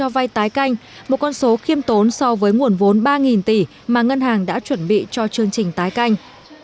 vay tái canh một con số khiêm tốn so với nguồn vốn ba tỷ mà ngân hàng đã chuẩn bị cho chương trình tái canh